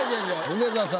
梅沢さん